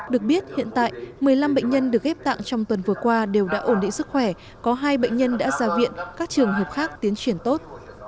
được biết hiện tại một mươi năm bệnh nhân được ghép tặng trong tuần vừa qua đều đã ổn định sức khỏe có hai bệnh nhân đã ra viện các trường hợp khác tiến triển tốt